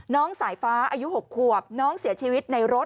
น้องสายฟ้าอายุ๖ขวบน้องเสียชีวิตในรถ